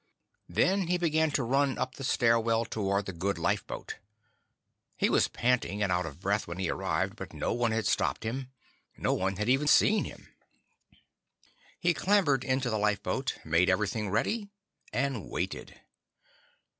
Then he began to run up the stairwell toward the good lifeboat. He was panting and out of breath when he arrived, but no one had stopped him. No one had even seen him. He clambered into the lifeboat, made everything ready, and waited.